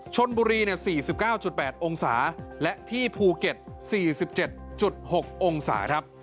ชนบุรี๔๙๘องศาและที่ภูเก็ต๔๗๖องศาครับ